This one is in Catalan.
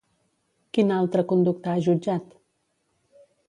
Quina altra conducta ha jutjat?